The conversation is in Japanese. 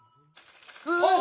うわっ！